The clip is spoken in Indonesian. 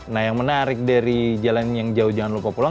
nah yang menarik dari jalan yang jauh jangan lupa pulang